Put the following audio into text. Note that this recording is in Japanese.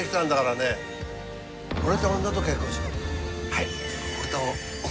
はい。